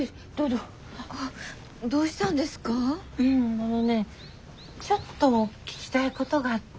あのねちょっと聞きたいことがあって。